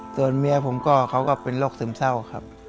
ส่วนเมียผมก็เขาก็เป็นโรคซึมเศร้าครับ